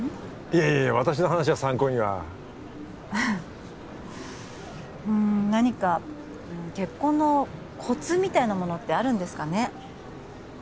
いやいや私の話は参考にはうん何か結婚のコツみたいなものってあるんですかね？